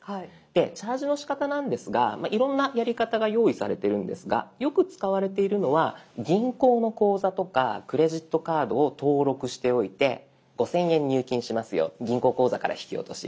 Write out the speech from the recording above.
チャージのしかたなんですがいろんなやり方が用意されてるんですがよく使われているのは銀行の口座とかクレジットカードを登録しておいて「５，０００円入金しますよ銀行口座から引き落とし」